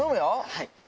はい。